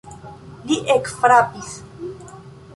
Li ekfrapis.